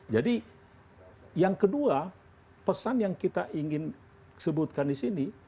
jadi yang kedua pesan yang kita ingin sebutkan di sini